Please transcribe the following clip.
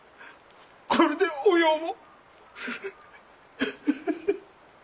これでおようも。